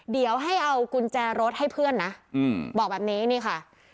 เดี๋ยวให้เอากุญแจรถให้เพื่อนนะบอกแบบนี้นี่ค่ะ